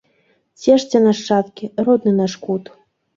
Цешце, нашчадкі, родны наш кут!